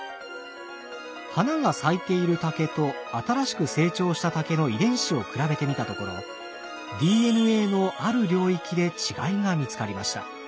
花が咲いている竹と新しく成長した竹の遺伝子を比べてみたところＤＮＡのある領域で違いが見つかりました。